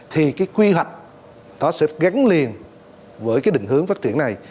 thì cái quy hoạch nó sẽ gắn liền với cái định hướng phát triển này